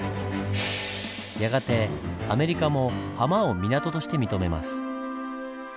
やがてアメリカもハマを港として認めます。